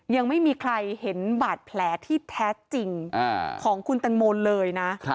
ยังไม่มีใครเห็นบาดแผลที่แท้จริงของคุณตังโมเลยนะ